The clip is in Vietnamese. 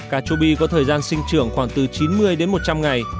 cà chua bi có thời gian sinh trưởng khoảng từ chín mươi đến một trăm linh ngày